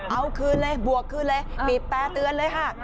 เอาคืนเลยบวกคืนเลยบีบแต่เตือนเลยค่ะ